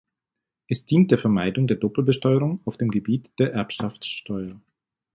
Es dient der Vermeidung der Doppelbesteuerung auf dem Gebiet der Erbschaftsteuer.